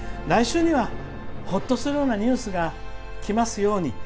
来週にはほっとするようなニュースがきますように。